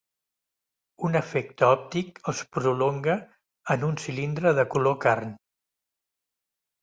Un efecte òptic els prolonga en un cilindre de color carn.